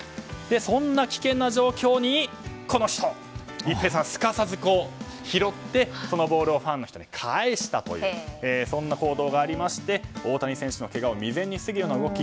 そんな危険な状況にこの人、一平さんがすかさず拾って、そのボールをファンの人に返したというそんな行動がありまして大谷選手のけがを未然に防ぐような動き。